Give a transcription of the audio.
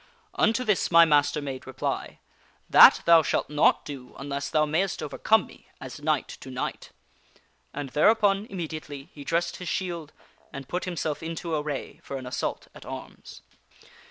Unto this my master made reply. ' That thou shalt not do unless thou mayst overcome me, as knight to knight.' And thereupon, immediately, he dressed his shield and put himself into array for an assault at arms.